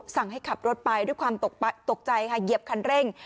ให้ขับรถไปด้วยความตกใจค่ะเหยียบคันเร่ง